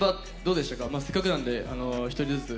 せっかくなんで１人ずつ。